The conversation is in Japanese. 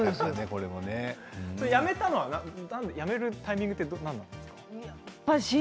やめたのはやめるタイミングは何だったんですか？